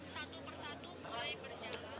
satu persatu mulai berjalan